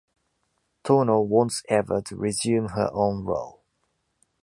Tornau wants Eva to resume her own role.